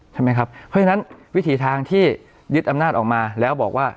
ใช่ไหมครับเพราะฉะนั้นวิถีทางที่ยึดอำนาจออกมาแล้วบอกว่า